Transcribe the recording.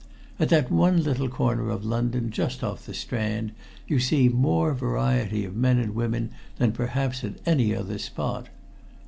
At that one little corner of London just off the Strand you see more variety of men and women than perhaps at any other spot.